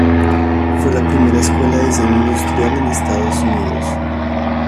Fue la primera escuela de diseño industrial en Estados Unidos.